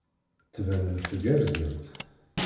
Ttbanent gerrzent.